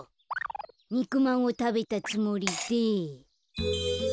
にくまんをたべたつもりで。